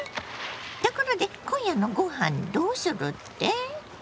ところで今夜のご飯どうするって？